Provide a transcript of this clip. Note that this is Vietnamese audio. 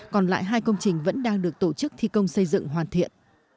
còn lại hai công trình vẫn đang được tổ chức thi công xây dựng hoàn thiện